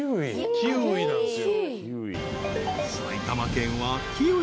キウイなんですよ。